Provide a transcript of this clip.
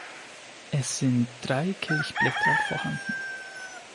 Es sind drei Kelchblätter vorhanden.